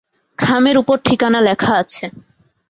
খামের ওপর ঠিকানা লেখা আছে।